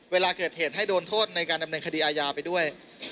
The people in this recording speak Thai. เวลาเกิดเหตุให้โดนโทษในการดำเนินคดีอาญาไปด้วย